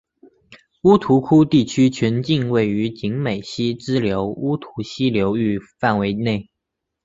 乌涂窟地区全境位于景美溪支流乌涂溪流域范围内。